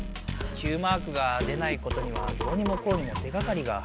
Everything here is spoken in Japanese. Ｑマークが出ないことにはどうにもこうにも手がかりが。